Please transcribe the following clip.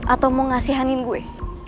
atau mau ngasihanin gue